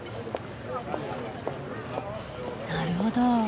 なるほど。